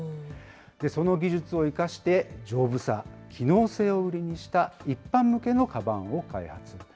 その技術を生かして丈夫さ、機能性を売りにした一般向けのかばんを開発。